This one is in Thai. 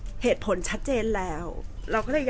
แต่ว่าสามีด้วยคือเราอยู่บ้านเดิมแต่ว่าสามีด้วยคือเราอยู่บ้านเดิม